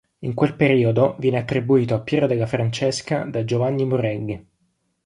In quel periodo viene attribuito a Piero della Francesca da Giovanni Morelli.